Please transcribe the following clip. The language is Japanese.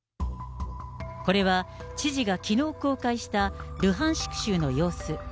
これは、知事がきのう公開したルハンシク州の様子。